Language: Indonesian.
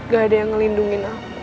gak ada yang melindungi aku